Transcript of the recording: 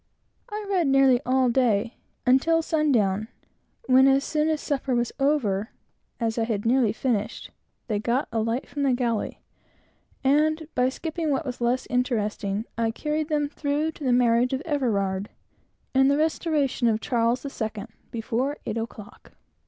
I read nearly all day, until sundown; when, as soon as supper was over, as I had nearly finished, they got a light from the galley; and by skipping what was less interesting, I carried them through to the marriage of Everard, and the restoration of Charles the Second, before eight o'clock.